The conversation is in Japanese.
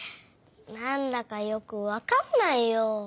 なんだかよくわかんないよ！